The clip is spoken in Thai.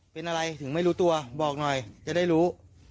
เป็นอะไรถึงไม่รู้ตัวบอกหน่อยจะได้รู้